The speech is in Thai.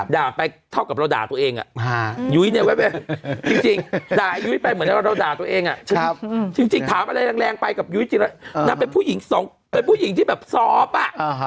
ด่าไปเท่ากับเราด่าตัวเองอะจริงด่ายุ้ยไปเหมือนเราด่าตัวเองอะจริงถามอะไรแรงไปกับยุ้ยจริงน่าเป็นผู้หญิงที่แบบสอบอะ